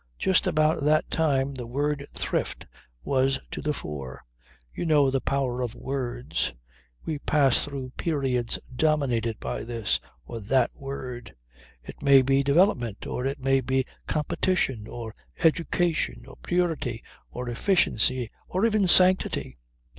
Just about that time the word Thrift was to the fore. You know the power of words. We pass through periods dominated by this or that word it may be development, or it may be competition, or education, or purity or efficiency or even sanctity.